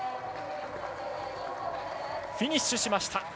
フィニッシュしました。